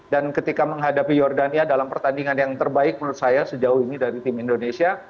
dan ketika menghadapi jordania dalam pertandingan yang terbaik menurut saya sejauh ini dari tim indonesia